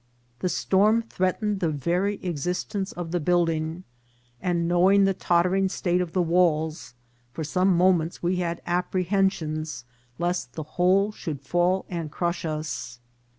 The storm threatened the very existence of the building ; and, knowing the totter ing state of the walls, for some moments we had appre hensions lest the whole should fall and crush us.